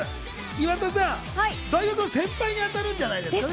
岩田さん、大学の先輩にあたるんじゃないですか？